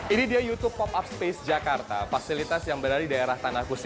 ini dia youtube pop up space jakarta fasilitas yang berada di daerah tanah kusir